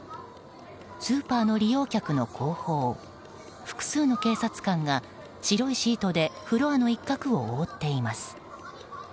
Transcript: スーパーの利用客の後方複数の警察官が白いシートでフロアの一角を覆っています。